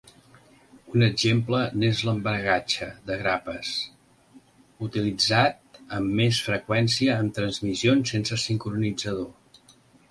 Un exemple n'és l'embragatge de grapes, utilitzat amb més freqüència en transmissions sense sincronitzador.